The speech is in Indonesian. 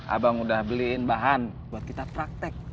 abang udah beliin bahan buat kita praktek